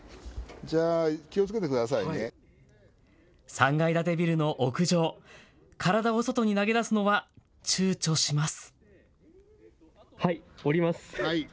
３階建てビルの屋上、体を外に投げ出すのはちゅうちょします。